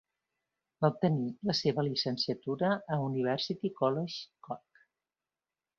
Va obtenir la seva llicenciatura a University College Cork.